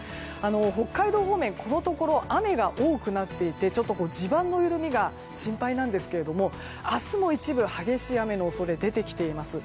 北海道方面、このところ雨が多くなっていて地盤の緩みが心配なんですけれども明日も一部、激しい雨の恐れが出てきています。